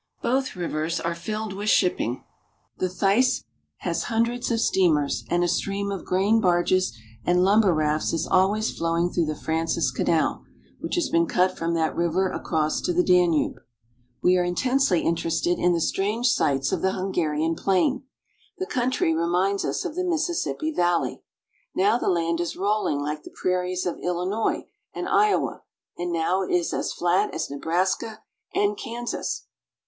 Both rivers are filled with shipping. The Theiss has hundreds of steamers, and a stream of grain barges and lumber rafts is always flowing through the Francis Canal, which has been cut from that river across to the Danube. We are intensely interested in the strange sights of the Hungarian plain. The country reminds us of the Missis sippi Valley. Now the land is rolling like the prairies of Illinois and Iowa, and now it is as flat as Nebraska and Kansas.